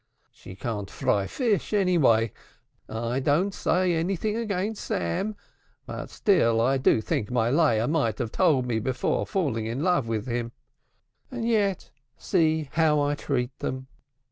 She can't fry fish any way. I don't say anything against Sam, but still I do think my Leah might have told me before falling in love with him. And yet see how I treat them!